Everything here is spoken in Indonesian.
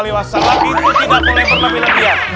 itu tidak boleh berlebihan